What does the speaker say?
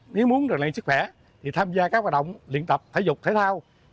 nếu muốn được lấy sức khỏe thì tham gia các hoạt động luyện tập thể dục thể thao